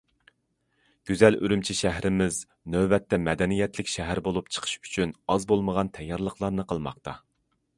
گۈزەل ئۈرۈمچى شەھىرىمىز نۆۋەتتە مەدەنىيەتلىك شەھەر بولۇپ چىقىش ئۈچۈن ئاز بولمىغان تەييارلىقلارنى قىلماقتا.